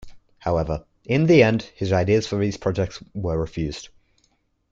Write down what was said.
However, in the end his ideas for these projects were refused.